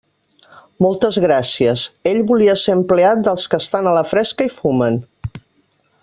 Moltes gràcies; ell volia ser empleat dels que estan a la fresca i fumen.